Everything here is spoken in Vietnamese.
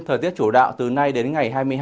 thời tiết chủ đạo từ nay đến ngày hai mươi hai